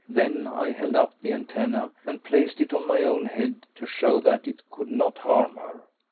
Then I held up the antennae and placed it on my own head to show that it could not harm her.